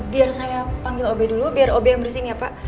biar saya panggil ob dulu biar ob yang bersih nih ya pak